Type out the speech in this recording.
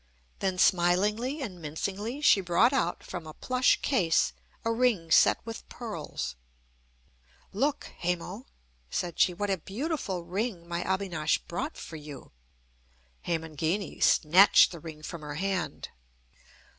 Then smilingly and mincingly she brought out, from a plush case, a ring set with pearls. "Look, Hemo," said she, "what a beautiful ring my Abinash brought for you." Hemangini snatched the ring from her hand.